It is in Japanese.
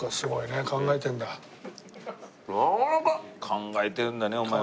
考えてるんだねお前も。